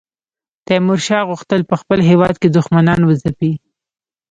تیمورشاه غوښتل په خپل هیواد کې دښمنان وځپي.